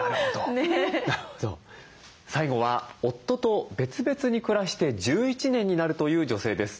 最後は夫と別々に暮らして１１年になるという女性です。